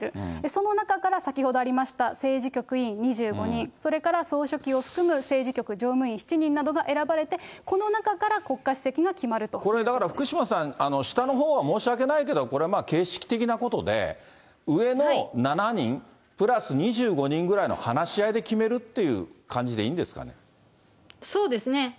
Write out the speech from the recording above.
その中から先ほどありました、政治局委員２５人、それから総書記を含む政治局常務委員７人などが選ばれて、これだから、福島さん、下のほうは申し訳ないけれども、これはまあ、形式的なことで、上の７人プラス２５人ぐらいの話し合いで決めるっていう感じでいそうですね。